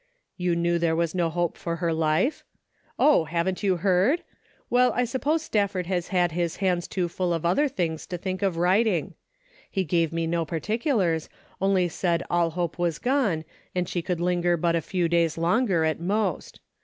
" You knew there was no hope of her life? Oh, haven't you heard? Well, I sup pose Stafford has had hisxhands too full of other things to think of writing. He gave me no particulars, only said all hope was gone and she could linger but a few days longer at most.